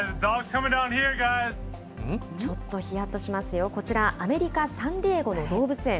ちょっとひやっとしますよ、こちら、アメリカ・サンディエゴの動物園。